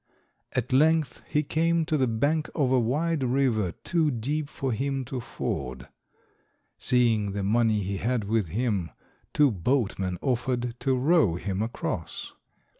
At length he came to the bank of a wide river too deep for him to ford. Seeing the money he had with him, two boatmen offered to row him across.